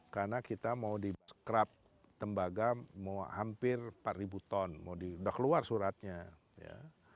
karena kita mau di scrub tembaga mau hampir empat ribu ton mau di udah keluar suratnya ya